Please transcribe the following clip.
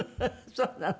そうなの。